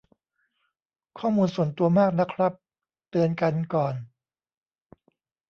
ข้อมูลส่วนตัวมากนะครับ เตือนกันก่อน